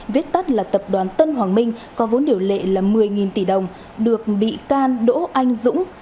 viết tắt là tập đoàn tân hoàng minh có vốn điều lệ là một mươi tỷ đồng được bị can đỗ anh dũng